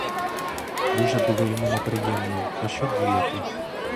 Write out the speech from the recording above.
Дуже було йому неприємно, та що діяти?